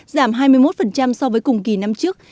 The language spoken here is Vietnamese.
giảm hai mươi một so với cùng kỳ năm trước